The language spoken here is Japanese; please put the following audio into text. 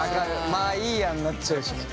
まあいいやになっちゃうしね。